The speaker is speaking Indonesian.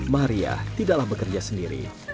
maria tidaklah bekerja sendiri